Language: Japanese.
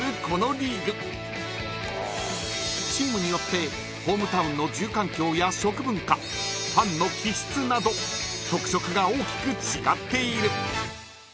このリーグチームによってホームタウンの住環境や食文化ファンの気質など特色が大きく違っている。